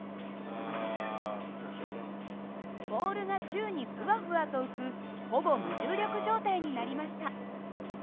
ボールが宙にふわふわと浮くほぼ無重力状態になりました。